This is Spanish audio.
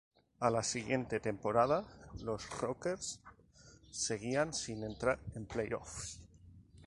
A la siguiente temporada, los Rockets seguían sin entrar en playoffs.